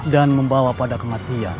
dan membawa pada kematian